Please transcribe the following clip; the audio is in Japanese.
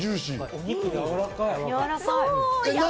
お肉、やわらかい。